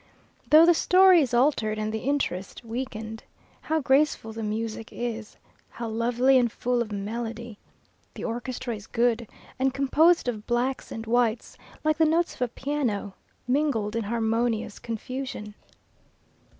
Though the story is altered, and the interest weakened, how graceful the music is! how lovely and full of melody! The orchestra is good, and composed of blacks and whites, like the notes of a piano, mingled in harmonious confusion.